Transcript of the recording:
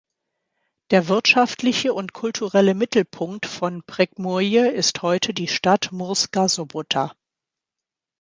Der wirtschaftliche und kulturelle Mittelpunkt von Prekmurje ist heute die Stadt Murska Sobota.